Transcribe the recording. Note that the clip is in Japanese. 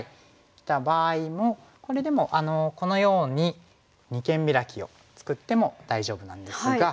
きた場合もこれでもこのように二間ビラキを作っても大丈夫なんですが。